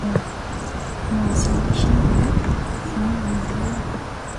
inawasiliana na wadau wa vyombo fedha vya kimataifa